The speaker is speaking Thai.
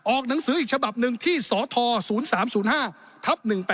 ออกหนังสืออีกฉบับหนึ่งที่สธ๐๓๐๕๑๘๙๖